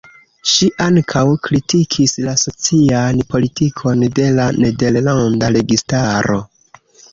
Ŝi ankau kritikis la socian politikon de la nederlanda registaro.